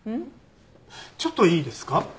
ちょっといいですか？